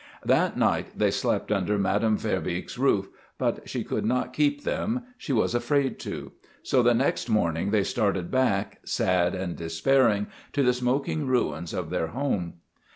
That night they slept under Madame Verbeeck's roof, but she could not keep them; she was afraid to. So the next morning they started back, sad and despairing, to the smoking ruins of their home.